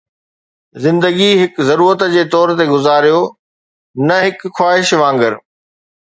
زندگي هڪ ضرورت جي طور تي گذاريو، نه هڪ خواهش وانگر